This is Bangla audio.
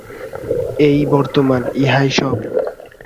এই বর্তমান, ইহাই সব।